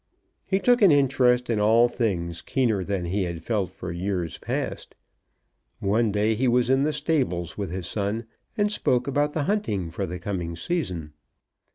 He took an interest in all things keener than he had felt for years past. One day he was in the stables with his son, and spoke about the hunting for the coming season.